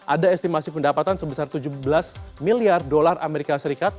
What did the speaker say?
ada estimasi pendapatan sebesar tujuh belas miliar dolar amerika serikat